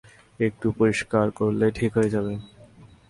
একটু পরিষ্কার করলেই ঠিক হয়ে যাবে।